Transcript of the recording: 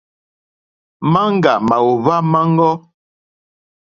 Maŋga màòhva maŋgɔ.